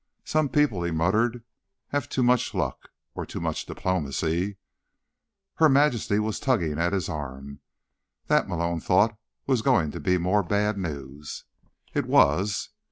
"Some people," he muttered, "have too much luck. Or too much diplomacy." Her Majesty was tugging at his arm. That, Malone thought, was going to be more bad news. It was.